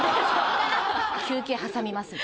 休憩はさみます。